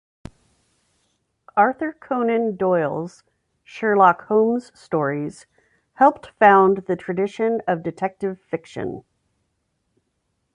Arthur Conan Doyle's "Sherlock Holmes" stories helped found the tradition of detective fiction.